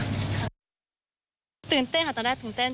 ตื่นเต้นค่ะตอนแรกตื่นเต้น